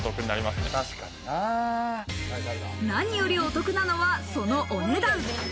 何よりお得なのは、そのお値段。